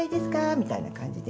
みたいな感じで。